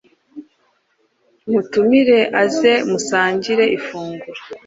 Mutumire aze musangire ifunguro